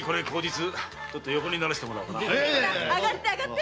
上がって上がって。